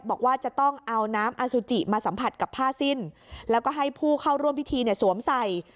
บอกว่าจะต้องเอาน้ำอสุจิมาสัมผัสกับผ้าสิ้นแล้วก็ให้ผู้เข้าร่วมพิธีเนี่ยสวมใส่